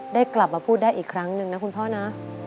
ได้กลับมาพูดได้อีกครั้งหนึ่งนะคุณพ่อนะ